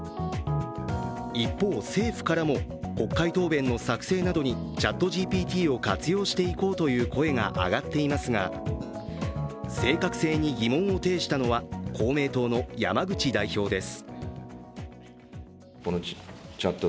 一方、政府からも国会答弁の作成などにＣｈａｔＧＰＴを活用していこうという声が上がっていますが、正確性に疑問を呈したのは公明党の山口代表です。